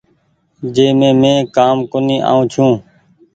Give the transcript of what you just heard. جنهن مي مين ڪآم ڪونيٚ آئو ڇون ۔